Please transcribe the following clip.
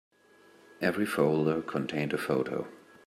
Every folder contained a photo.